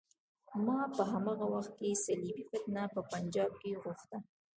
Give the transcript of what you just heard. ما په هماغه وخت کې صلیبي فتنه په پنجاب کې غوښته.